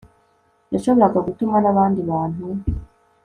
yashoboraga gutuma n abandi bantu